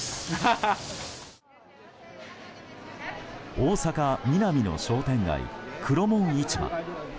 大阪ミナミの商店街黒門市場。